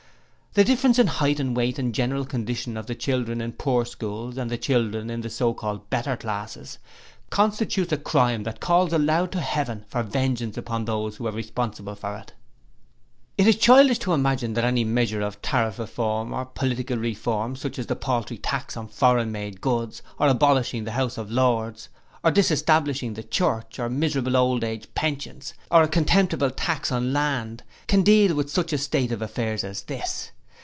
The difference in height and weight and general condition of the children in poor schools and the children of the so called better classes, constitutes a crime that calls aloud to Heaven for vengeance upon those who are responsible for it. 'It is childish to imagine that any measure of Tariff Reform or Political Reform such as a paltry tax on foreign made goods or abolishing the House of Lords, or disestablishing the Church or miserable Old Age Pensions, or a contemptible tax on land, can deal with such a state of affairs as this.